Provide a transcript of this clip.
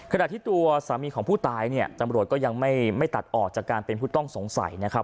ขณะที่ตัวสามีของผู้ตายเนี่ยตำรวจก็ยังไม่ตัดออกจากการเป็นผู้ต้องสงสัยนะครับ